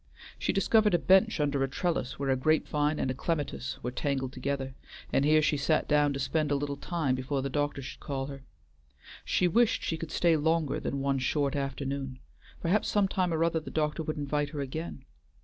She discovered a bench under a trellis where a grape vine and a clematis were tangled together, and here she sat down to spend a little time before the doctor should call her. She wished she could stay longer than that one short afternoon; perhaps some time or other the doctor would invite her again.